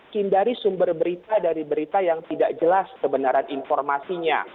hindari sumber berita dari berita yang tidak jelas kebenaran informasinya